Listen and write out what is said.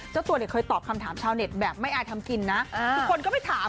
เจ้าตัวเนี่ยเคยตอบคำถามชาวเน็ตแบบไม่อายทำกินนะทุกคนก็ไปถาม